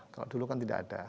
kalau dulu kan tidak ada